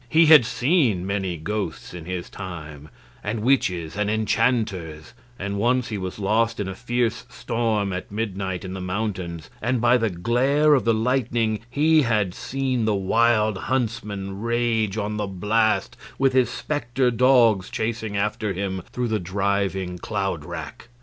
He had seen many ghosts in his time, and witches and enchanters, and once he was lost in a fierce storm at midnight in the mountains, and by the glare of the lightning had seen the Wild Huntsman rage on the blast with his specter dogs chasing after him through the driving cloud rack.